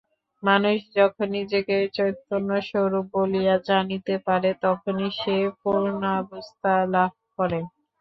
মানুষ যখন নিজেকে চৈতন্যস্বরূপ বলিয়া জানিতে পারে, তখনই সে পূর্ণাবস্থা লাভ করে।